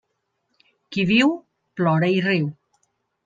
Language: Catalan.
Qui viu, plora i riu.